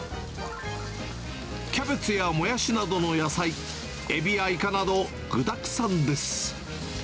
キャベツやモヤシなどの野菜、エビやイカなど、具だくさんです。